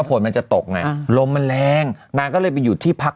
สมมุติมันจะตกไงร้มมันแรงนางก็เลยไปอยู่ที่พัก